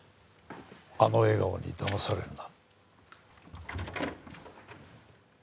あの笑顔に騙されるな。